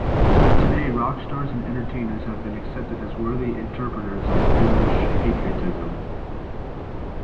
Today, rock stars and entertainers have been accepted as worthy interpreters of Finnish patriotism.